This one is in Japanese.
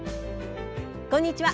こんにちは。